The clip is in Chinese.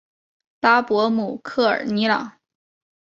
拉博姆科尔尼朗。